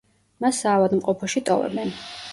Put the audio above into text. მას საავადმყოფოში ტოვებენ.